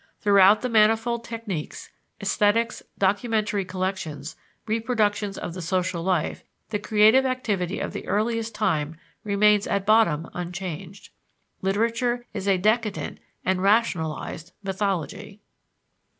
Throughout the manifold techniques, esthetics, documentary collections, reproductions of the social life, the creative activity of the earliest time remains at bottom unchanged. Literature is a decadent and rationalized mythology.